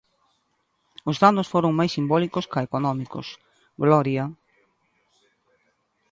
Os danos foron máis simbólicos ca económicos, Gloria...